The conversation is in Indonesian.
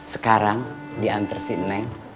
sekarang dianter si neng